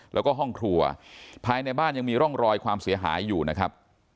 แล้วก็ห้องครัวภายในบ้านยังมีร่องรอยความเสียหายอยู่นะครับ